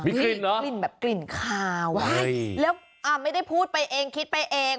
มีกลิ่นเหรอกลิ่นแบบกลิ่นขาวแล้วไม่ได้พูดไปเองคิดไปเอง